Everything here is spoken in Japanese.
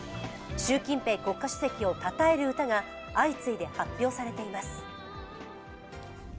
習近平国家主席をたたえる歌が相次いで発表されています。